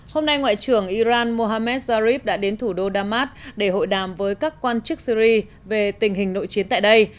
hôm nay ngoại trưởng iran mohammed zarif đã đến thủ đô đam mát để hội đàm với các quan chức syri về tình hình nội chiến tại đây